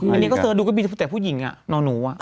มันเนี่ยก็ซื้อดูว่ามีแต่ผู้หญิงอ่ะนอนหนูอ่ะ